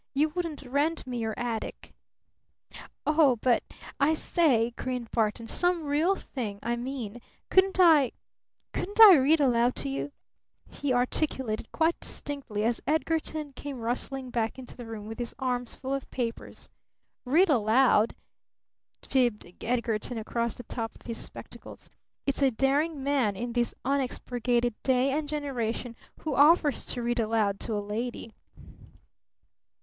"You wouldn't rent me your attic!" "Oh, but I say!" grinned Barton. "Some real thing, I mean! Couldn't I couldn't I read aloud to you?" he articulated quite distinctly, as Edgarton came rustling back into the room with his arms full of papers. "Read aloud?" gibed Edgarton across the top of his spectacles. "It's a daring man, in this unexpurgated day and generation, who offers to read aloud to a lady."